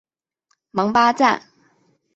蒙巴赞。